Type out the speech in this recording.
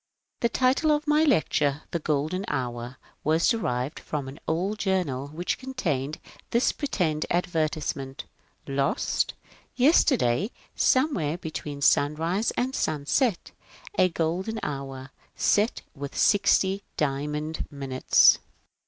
The title of my lecture, " The Golden Hour," was derived from an old journal which contained this pretended advertise ment :" Lost. — Yesterday, somewhere between sunrise and sunset, a Golden Hour, set with sixty diamond minutes."